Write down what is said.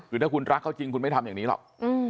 คือถ้าคุณรักเขาจริงคุณไม่ทำอย่างนี้หรอก